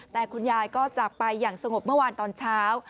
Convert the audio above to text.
แต่คุณยายก็จากไปอย่างสงบเมื่อวานตอนเช้า